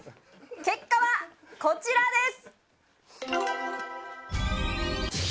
結果はこちらです！